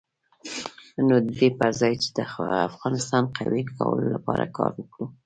نو د دې پر ځای چې د افغانستان قوي کولو لپاره کار وکړو.